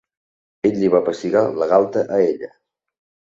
Ell li va pessigar la galta a ella.